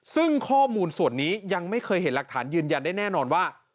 ซึ่งข้อมูลส่วนนี้ยังไม่เคยเห็นหลักฐานยืนยันได้แน่นอนว่า